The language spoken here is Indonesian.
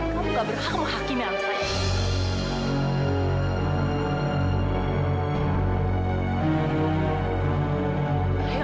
kamu gak berhak menghakimi anak saya